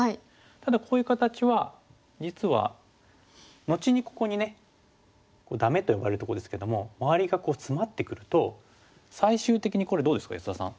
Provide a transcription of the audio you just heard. ただこういう形は実は後にここにね「ダメ」と呼ばれるとこですけども周りがツマってくると最終的にこれどうですか安田さん。